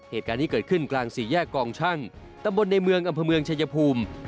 เหตุการณ์ที่เกิดขึ้นกลาง๔แยกกองชั่งตะบนในเมืองอำพะเมืองชายพูม